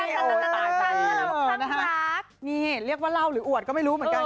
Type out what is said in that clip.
นี่เรียกว่าเหล้าให้หัวหัวหรือห่วดก็ไม่รู้เหมือนกัน